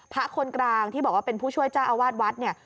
พระคนกลางที่บอกว่าเป็นผู้ช่วยเจ้าอาวาสวัดเนี่ย